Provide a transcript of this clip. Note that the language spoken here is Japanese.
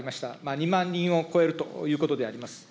２万人を超えるということであります。